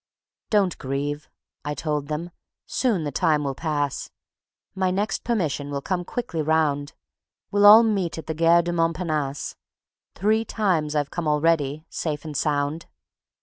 "Don't grieve," I told them. "Soon the time will pass; My next permission will come quickly round; We'll all meet at the Gare du Montparnasse; Three times I've come already, safe and sound."